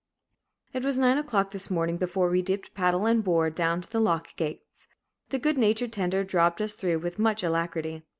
It was nine o'clock this morning before we dipped paddle and bore down to the lock gates. The good natured tender "dropped" us through with much alacrity.